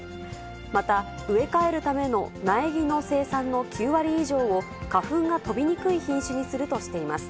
また植え替えるための苗木の生産の９割以上を花粉が飛びにくい品種にするとしています。